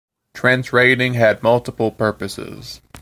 Trench raiding had multiple purposes.